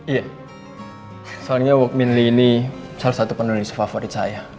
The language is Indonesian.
iya soalnya wuk min li ini salah satu penulis favorit saya